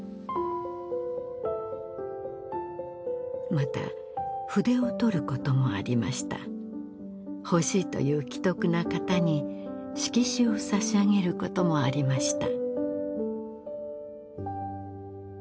また筆をとることもありました欲しいという奇特な方に色紙を差し上げることもありました